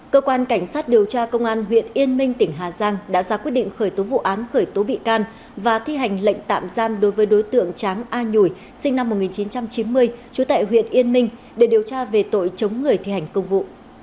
cơ quan cảnh sát điều tra công an huyện yên minh tỉnh hà giang đã ra quyết định khởi tố vụ án khởi tố bị can và thi hành lệnh tạm giam đối với đối tượng tráng a nhủi sinh năm một nghìn chín trăm chín mươi trú tại huyện yên minh để điều tra về tội chống người thi hành công vụ